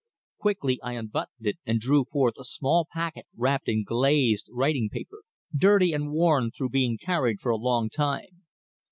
Quickly I unbuttoned it and drew forth a small packet wrapped in glazed writing paper, dirty and worn through being carried for a long time.